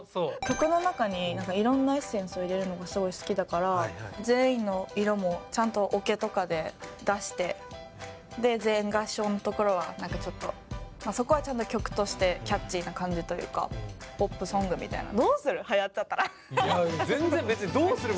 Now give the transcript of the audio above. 曲の中にいろんなエッセンスを入れるのがすごい好きだから全員の色もちゃんとオケとかで出して全員合唱のところは何かちょっとそこはちゃんと曲としてキャッチーな感じというかポップソングみたいな。